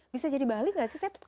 bisa jadi bali nggak sih